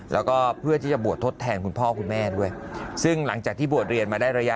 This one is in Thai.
แล้วก็เพื่อที่จะบวชทดแทนคุณพ่อคุณแม่ด้วยซึ่งหลังจากที่บวชเรียนมาได้ระยะ